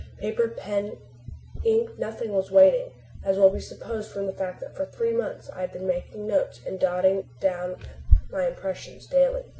Paper, pen, ink, nothing was wanting, as will be supposed from the fact that for three months I have been making notes and dotting down my impressions daily.